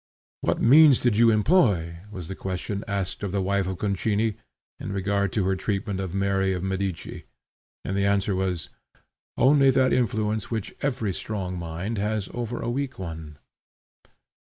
"What means did you employ?" was the question asked of the wife of Concini, in regard to her treatment of Mary of Medici; and the answer was, "Only that influence which every strong mind has over a weak one."